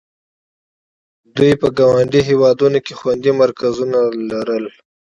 دوی په ګاونډیو هېوادونو کې خوندي مرکزونه لرل.